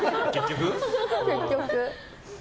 結局？